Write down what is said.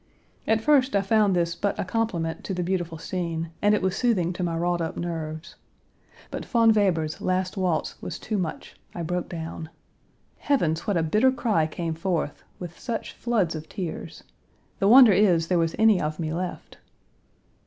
At first, I found this but a complement to the beautiful scene, and it was soothing to my wrought up nerves. But Von Weber's "Last Waltz" was too much; I broke down. Heavens, what a bitter cry came forth, with such floods of tears! the wonder is there was any of me left.